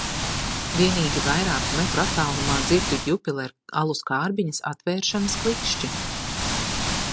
Vienīgi vairāku metru attālumā dzirdu Jupiler alus kārbiņas atvēršanas klikšķi.